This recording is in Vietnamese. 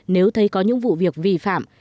nếu thấy có những vụ việc vi phạm